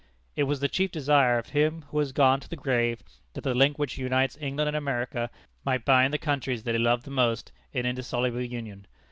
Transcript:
It was the chief desire of him who has gone to the grave, that the link which unites England and America might bind the countries that he loved the most in indissoluble union.